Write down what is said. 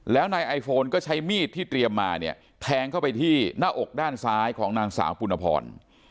แล้วนายไอโฟนก็ใช้มีดที่เตรียมมาเนี่ยแทงเข้าไปที่หน้าอกด้านซ้ายของนางสาวปุณพร